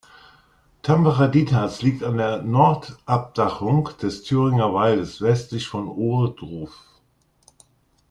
Tambach-Dietharz liegt an der Nordabdachung des Thüringer Waldes westlich von Ohrdruf.